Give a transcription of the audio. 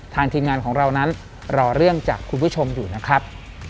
ทีมงานของเรานั้นรอเรื่องจากคุณผู้ชมอยู่นะครับ